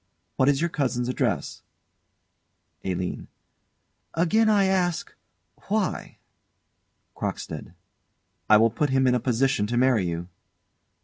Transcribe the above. What is your cousin's address? ALINE. Again I ask why? CROCKSTEAD. I will put him in a position to marry you.